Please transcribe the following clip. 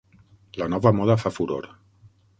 La nova moda fa furor.